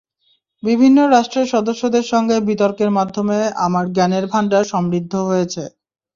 বিভিন্ন রাষ্ট্রের সদস্যদের সঙ্গে বিতর্কের মাধ্যমে আমার জ্ঞানের ভান্ডার সমৃদ্ধ হয়েছে।